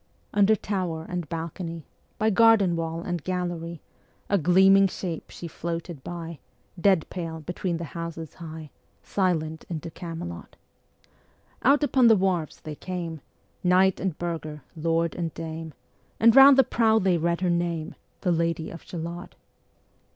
Under tower and balcony, By garden wall and gallery, A gleaming shape she floated by, Dead pale between the houses high, Ā Ā Silent into Camelot. Out upon the wharfs they came, Knight and burgher, lord and dame, And round the prow they read her name, Ā Ā The Lady of Shalott.